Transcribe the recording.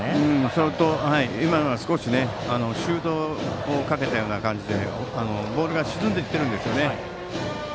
それと、今のは少しシュート回転をかけた形でボールが沈んでいるんですね。